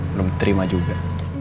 belum terima juga